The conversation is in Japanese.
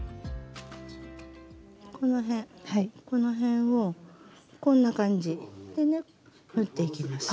この辺この辺をこんな感じでね縫っていきます。